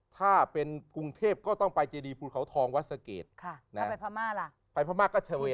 ถ้าเป็นกรุงเทพก็ต้องไปเจดีภูเขาทองวรรคาวัสเกศ